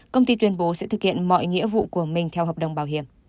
công ty tuyên bố sẽ thực hiện mọi nghĩa vụ của mình theo hợp đồng bảo hiểm